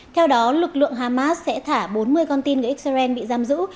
theo đó lực lượng hamas sẽ thả bốn mươi con tin gây xrn bị giam giữ